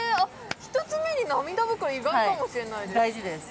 １つ目に涙袋意外かもしれないです